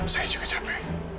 saya juga capek